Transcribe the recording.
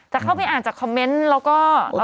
จะเข้าไปอ่านจากคอมเมนต์แล้วก็